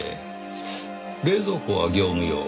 冷蔵庫は業務用。